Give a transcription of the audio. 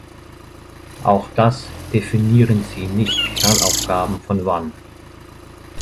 Auch das definieren Sie nicht Kernaufgaben von wann?